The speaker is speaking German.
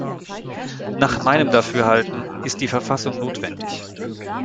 Nach meinem Dafürhalten ist die Verfassung notwendig.